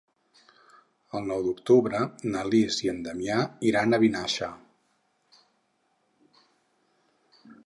El nou d'octubre na Lis i en Damià iran a Vinaixa.